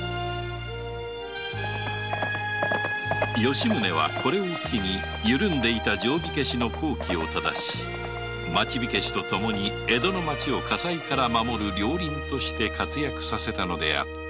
吉宗はこれを機にゆるんでいた「定火消し」の綱紀を正し「町火消し」とともに江戸の町を火災から守る両輪として活躍させたのであった